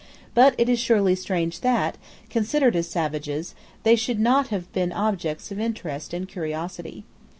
But it is surely strange that, considered as savages, they should not have been objects of interest and curiosity.